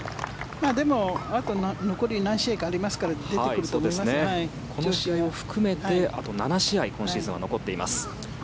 でも、あと残り何試合かありますからこの試合を含めてあと７試合今シーズンは残っています。